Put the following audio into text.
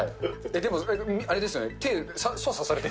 でも、あれですよね。